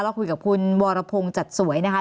เราคุยกับคุณวรพงศ์จัดสวยนะคะ